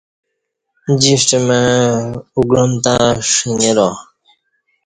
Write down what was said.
جِݜٹہ مع اوگعمتاں ݜنگرا